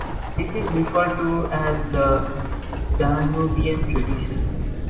This is referred to as the Danubian tradition.